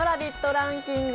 ランキング。